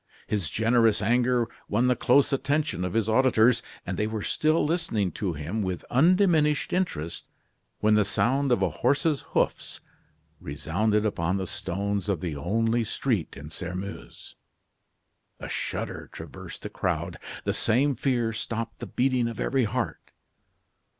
His generous anger won the close attention of his auditors, and they were still listening to him with undiminished interest, when the sound of a horse's hoofs resounded upon the stones of the only street in Sairmeuse. A shudder traversed the crowd. The same fear stopped the beating of every heart.